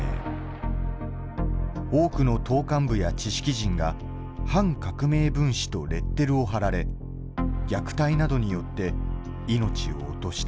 多くの党幹部や知識人が反革命分子とレッテルを貼られ虐待などによって命を落とした。